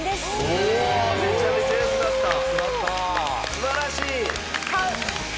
素晴らしい！